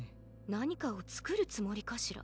なにかをつくるつもりかしら？